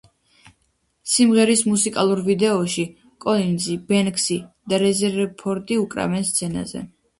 სიმღერის მუსიკალურ ვიდეოში კოლინზი, ბენქსი და რეზერფორდი უკრავენ სცენაზე.